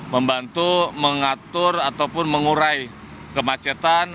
membantu mengatur ataupun mengurai kemacetan